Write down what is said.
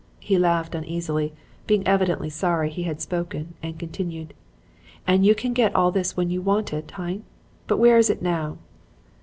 He laughed uneasily, being evidently sorry he had spoken, and continued: "'And you can get all this when you want it, hein? But where is it now?'